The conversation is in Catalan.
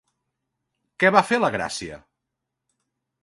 Què va fer la Gràcia?